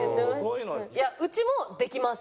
いやうちもできます。